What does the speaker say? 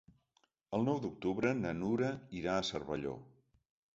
El nou d'octubre na Nura irà a Cervelló.